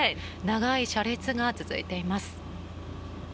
長い車列が続いています。